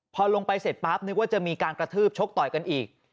พอลงไปเสร็จปั๊บนึกว่าจะมีการกระทืบชกต่อยกันอีก